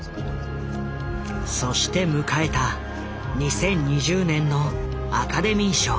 そして迎えた２０２０年のアカデミー賞。